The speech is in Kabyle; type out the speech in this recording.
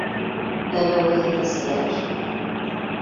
Amaway amazrar.